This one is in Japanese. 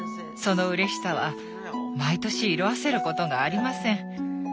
そのうれしさは毎年色あせることがありません。